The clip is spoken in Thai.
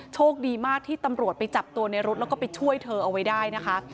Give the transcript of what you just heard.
โชคดีมากที่ตำรวจไปจับตัวในรถแล้วก็ไปช่วยเธอเอาไว้ได้นะคะ